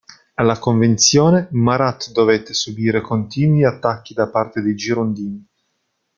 Alla Convenzione Marat dovette subire continui attacchi da parte dei Girondini.